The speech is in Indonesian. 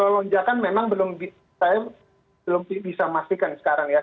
lonjakan memang belum bisa saya masihkan sekarang ya